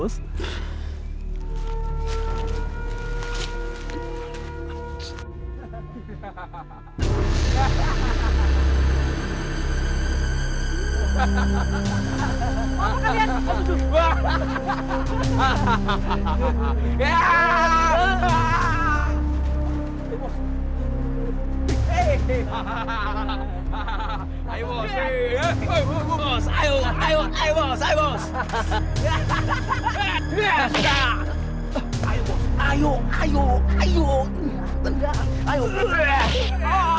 sampai jumpa di video selanjutnya